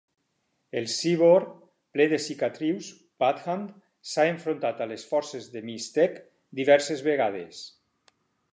El cíborg ple de cicatrius Badhand s'ha enfrontat a les forces de Mys-Tech diverses vegades.